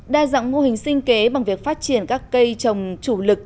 đa dạng mô hình sinh kế bằng việc phát triển các cây trồng chủ lực